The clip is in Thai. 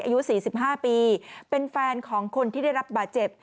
อายุ๔๕ปีเป็นแฟนของคนที่ได้รับบาดเจ็บ